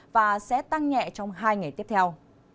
và sẽ tăng nhẹ trong hai ngày tiếp theo